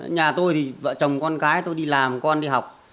nhà tôi thì vợ chồng con cái tôi đi làm con đi học